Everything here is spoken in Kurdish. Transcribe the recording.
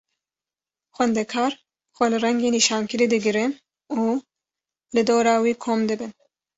Xwendekar xwe li rengê nîşankirî digirin û li dora wî kom dibin.